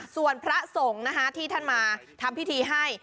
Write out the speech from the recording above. ส่วนพระส่งที่ท่านมาทำพิธีให้